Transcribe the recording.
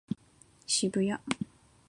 渋谷